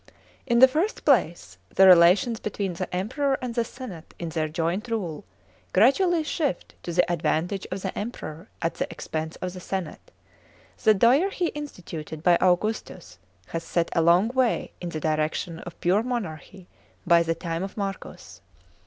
(i) In the first place, the relations between the Emperor and the senate in their joint rule, gradually shift to the advantage of the Emperor at the expense of the senate. The dyarchy insiituted by Augustus has set a long way in the direction of pure monarchy by the time of Marcus.